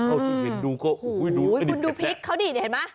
เอาสิเห็นดูก็ดูคุณดูพริกเขาดิเห็นไหม